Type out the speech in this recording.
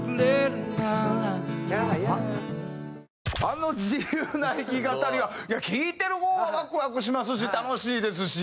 あの自由な弾き語りは聴いてる方はワクワクしますし楽しいですし。